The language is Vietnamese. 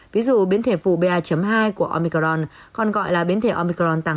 ví dụ biến thể phụ ba hai của omicron còn gọi là biến thể omicron tám